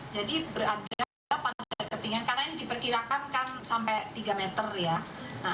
jadi berada pada ketinggian karena ini diperkirakan kan sampai tiga meter ya